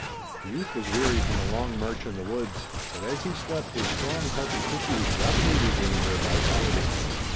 The youth was weary from the long march in the woods, but as he slept his strong healthy tissues rapidly regained their vitality.